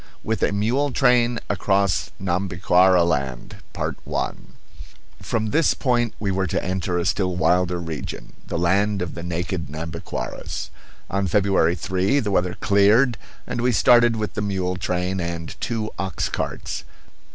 WITH A MULE TRAIN ACROSS NHAMBIQUARA LAND From this point we were to enter a still wilder region, the land of the naked Nhambiquaras. On February 3 the weather cleared and we started with the mule train and two ox carts.